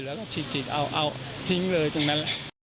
แล้วก็ชิดเอาทิ้งเลยตรงนั้น